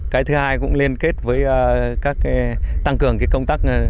cái thứ hai cũng liên kết với các tăng cường công tác